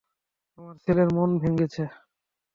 আমার ছেলের মন ভেঙেছে।